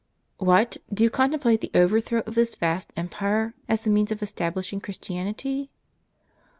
"What! do you contemplate the overthrow of this vast empire, as the means of establishing Christianity?